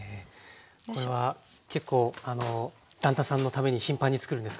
これは結構旦那さんのために頻繁につくるんですか？